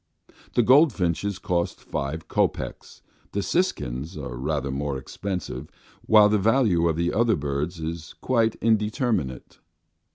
The goldfinches cost five kopecks, the siskins are rather more expensive, while the value of the other birds is quite indeterminate.